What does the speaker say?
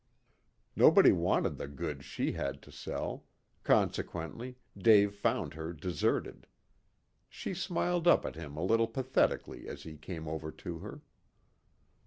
Nobody wanted the goods she had to sell; consequently Dave found her deserted. She smiled up at him a little pathetically as he came over to her.